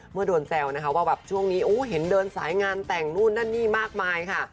เมื่อโดนแซวนะคะว่าแบบช่วงนี้เห็นเดินสายงานแต่งนู่นนั่นนี่มากมายค่ะ